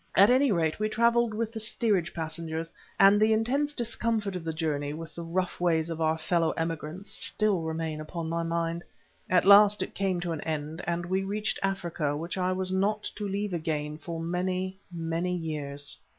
At any rate we travelled with the steerage passengers, and the intense discomfort of the journey with the rough ways of our fellow emigrants still remain upon my mind. At last it came to an end, and we reached Africa, which I was not to leave again for many, many years.